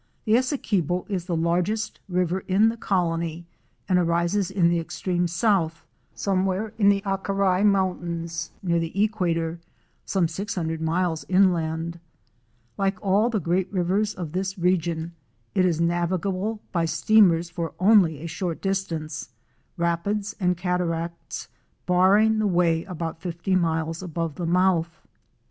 The Essequibo is the largest river in the colony and rises in the extreme south, somewhere in the Acarai Mountains near the equator, some six hundred miles inland. Like all the great rivers of this region it is navigable by steamers for Fic. ror. GRAY BREASTED MARTINS NESTING ON THE STEAMER. only a short distance, rapids and cataracts barring the way about fifty miles above the mouth.